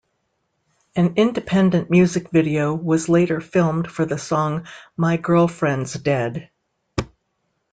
An independent music video was later filmed for the song My Girlfriend's Dead.